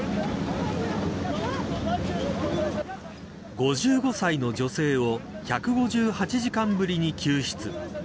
５５歳の女性を１５８時間ぶりに救出。